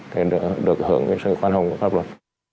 để được hưởng đến sự quan hồn của pháp luật